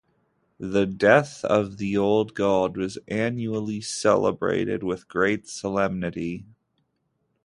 The death of the old god was annually celebrated with great solemnity.